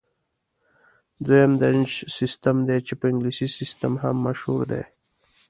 دویم د انچ سیسټم دی چې په انګلیسي سیسټم هم مشهور دی.